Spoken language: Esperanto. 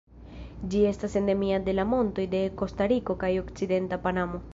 Ĝi estas endemia de la montoj de Kostariko kaj okcidenta Panamo.